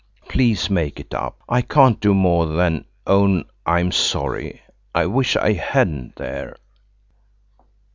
Please make it up. I can't do more than own I'm sorry. I wish I hadn't–there!"